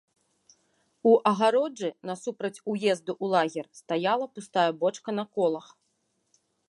У агароджы, насупраць уезду ў лагер, стаяла пустая бочка на колах.